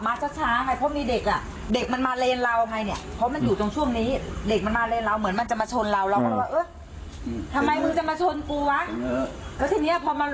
ก็จึกเลยแล้วตกใจไงโอ้ยมันช้าไปหมดน่ะ